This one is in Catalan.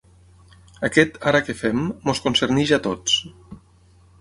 Aquest ‘ara què fem?’ ens concerneix a tots.